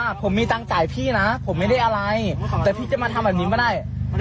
ผมมีตังค์จ่ายพี่นะผมไม่ได้อะไรแต่พี่จะมาทำแบบนี้ไม่ได้